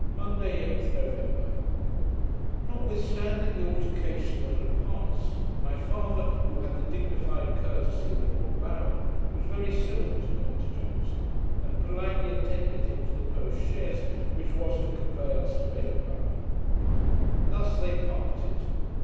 Monday, 8th November Notwithstanding the altercation that had passed, my father who had the dignified courtesy of an old Baron, was very civil to Dr Johnson, and politely attended him to the post chaise, which was to convey us to Edinburgh. Thus they parted.